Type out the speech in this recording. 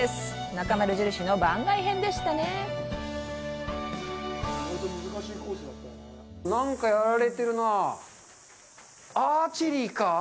「なかまる印」の番外編でしたねなんかやられてるなアーチェリーか？